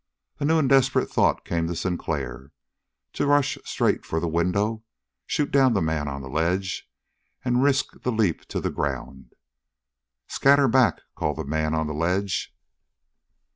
A new and desperate thought came to Sinclair to rush straight for the window, shoot down the man on the ledge, and risk the leap to the ground. "Scatter back!" called the man on the ledge.